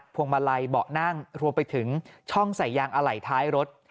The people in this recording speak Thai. วงมาลัยเบาะนั่งรวมไปถึงช่องใส่ยางอะไหล่ท้ายรถ